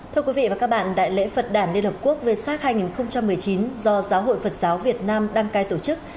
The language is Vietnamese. thưa quý vị và các bạn đại lễ phật đàn liên hợp quốc về sát hai nghìn một mươi chín do giáo hội phật giáo việt nam đăng cai tổ chức